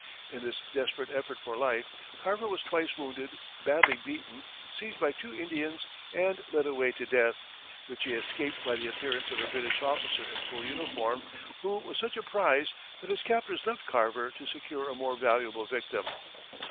In this desperate effort for life Carver was twice wounded, badly beaten, seized by two Indians, and led away to death, which he escaped by the appearance of a British officer in full uniform, who was such a prize that his captors left Carver to secure a more valuable victim.